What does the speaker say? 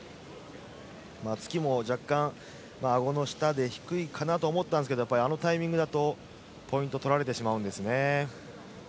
突きも若干あごの下で低いかなと思ったんですがやっぱりあのタイミングだとポイント取られてしまうんですね。